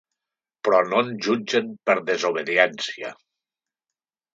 Però no ens jutgen per desobediència.